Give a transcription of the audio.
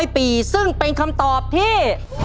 ๔ปีซึ่งเป็นคำตอบที่